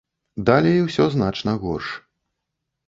Далей усё значна горш.